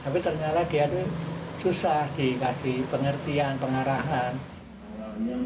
tapi ternyata dia itu susah dikasih pengertian pengarahan